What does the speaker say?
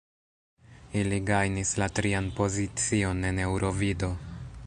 Ili gajnis la trian pozicion en Eŭrovido.